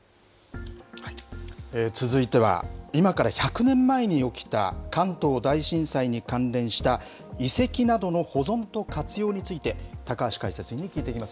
続いては、今から１００年前に起きた関東大震災に関連した、遺跡などの保存と活用について、高橋解説委員に聞いていきます。